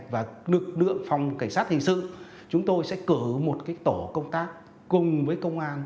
và lực lượng phòng cảnh sát hình sự chúng tôi sẽ cử một tổ công tác cùng với công an